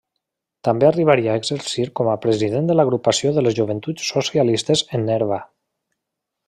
També arribaria a exercir com a president de l'agrupació de les Joventuts Socialistes en Nerva.